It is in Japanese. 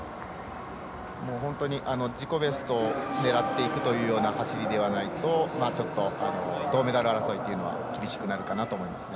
本当に自己ベストを狙っていくというような走りじゃないと銅メダル争いというのは厳しくなるかなと思いますね。